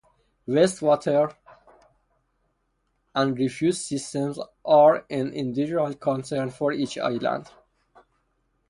Waste water and refuse systems are an individual concern for each island.